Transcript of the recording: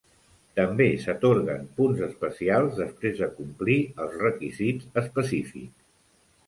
També s'atorguen punts especials després de complir els requisits específics.